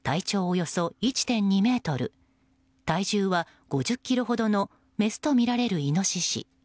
およそ１．２ｍ体重は５０ｋｇほどのメスとみられるイノシシ。